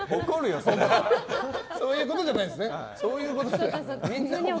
そういうことじゃないですね。